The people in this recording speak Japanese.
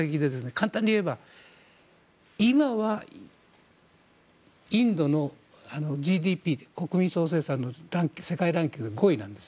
簡単に言えば、今はインドのＧＤＰ・国内総生産の世界ランキングが５位なんです。